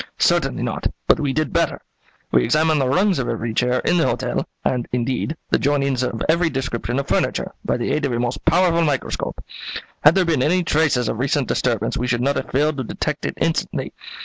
"Certainly not, but we did better: we examined the rungs of every chair in the hotel, and, indeed, the jointings of every description of furniture, by the aid of a most powerful microscope. Had there been any traces of recent disturbance we should not have failed to detect it instantly.